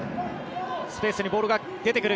スペースにボールが出てくる。